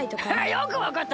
よくわかったな。